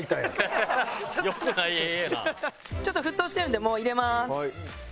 ちょっと沸騰してるんでもう入れます。